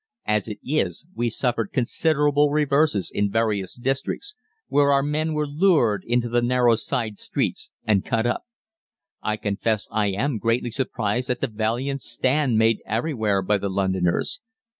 As it is, we suffered considerable reverses in various districts, where our men were lured into the narrow side streets and cut up. I confess I am greatly surprised at the valiant stand made everywhere by the Londoners.